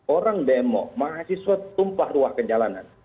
orang demo mahasiswa tumpah ruang kejalanan